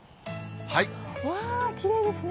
うわー、きれいですね。